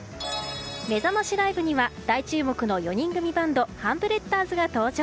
めざましライブには大注目の４人組バンドハンブレッダーズが登場！